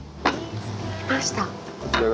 来ました。